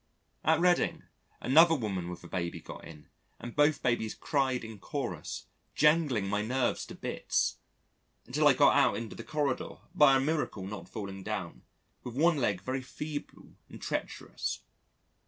At Reading, another woman with a baby got in and both babies cried in chorus, jangling my nerves to bits! until I got out into the corridor, by a miracle not falling down, with one leg very feeble and treacherous.